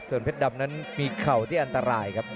เพชรดำนั้นมีเข่าที่อันตรายครับ